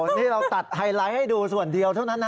นี่เราตัดไฮไลท์ให้ดูส่วนเดียวเท่านั้นนะ